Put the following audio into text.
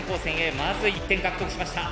まず１点獲得しました。